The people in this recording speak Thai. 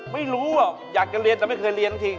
ไม่รู้อยากจะเรียนแต่ไม่เคยเรียนทั้งที